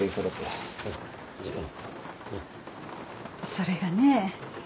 それがねぇ。